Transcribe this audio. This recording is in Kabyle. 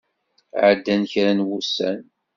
Ɛeddan kra n wussan.